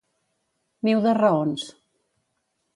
Niu de raons.